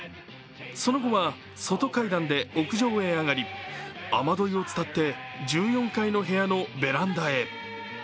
その後は外階段で屋上へ上がり雨どいをつたって１４階の部屋のベランダへ。